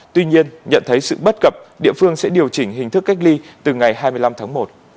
tuy nhiên nhận thấy sự bất cập địa phương sẽ điều chỉnh hình thức cách ly từ ngày hai mươi năm tháng một